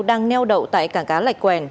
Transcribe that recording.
đang neo đậu tại cảng cá lạch quèn